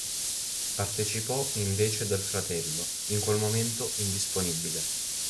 Partecipò in vece del fratello, in quel momento indisponibile.